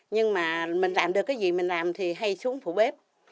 nhưng mà mình làm được cái gì mình làm thì hay xuống phủ bếp